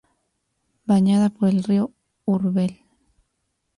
Bañada por el río Úrbel.